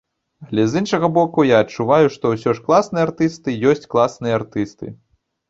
Але з іншага боку, я адчуваю, што ўсё ж класныя артысты ёсць класныя артысты.